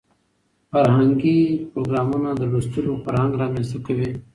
فرهنګي پروګرامونه د لوستلو فرهنګ رامنځته کوي.